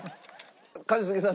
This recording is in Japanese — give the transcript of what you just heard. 一茂さん